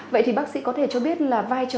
vậy thì bác sĩ có thể cho biết là vai trò